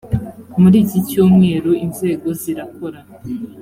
muri iki cyumweru inzego zirakora